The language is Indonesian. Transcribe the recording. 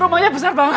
rumahnya besar banget